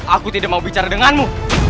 aku tidak mau bicara denganmu